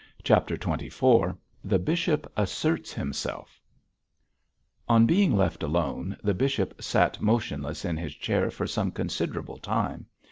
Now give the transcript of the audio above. CHAPTER XXIV THE BISHOP ASSERTS HIMSELF On being left alone, the bishop sat motionless in his chair for some considerable time.